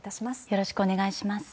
よろしくお願いします。